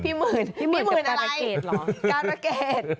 พี่หมื่นอะไรการะเกรด